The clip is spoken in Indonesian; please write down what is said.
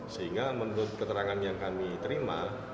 sehingga menurut keterangan yang kami terima